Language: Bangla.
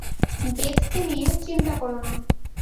বেথকে নিয়ে চিন্তা কোরো না।